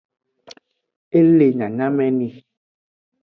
E le nyanyameni.